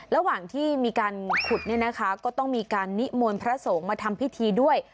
ระหว่างที่มีการขุดเนี่ยนะคะก็ต้องมีการนิมนต์พระสงฆ์มาทำพิธีด้วย